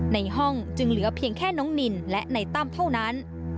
ในห้องจึงเหลือเพียงแค่น้องนินและในตั้มเท่านั้น